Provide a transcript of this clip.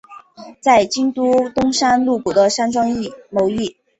在京都东山鹿谷的山庄谋议。